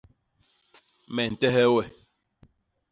Me ntehe we.